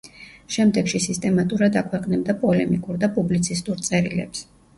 შემდეგში სისტემატურად აქვეყნებდა პოლემიკურ და პუბლიცისტურ წერილებს.